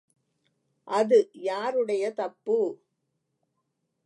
அது யாருடைய தப்பு?